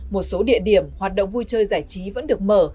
một số địa điểm hoạt động vui chơi giải trí vẫn được mở